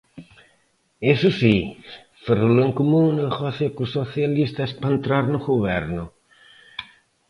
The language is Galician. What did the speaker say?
Iso si, Ferrol en Común negocia cos Socialistas para entrar no goberno.